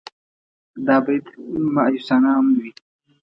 دا برید مأیوسانه هم وي.